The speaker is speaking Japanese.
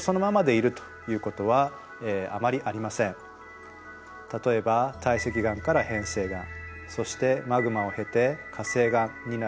このように例えば堆積岩から変成岩そしてマグマを経て火成岩になる。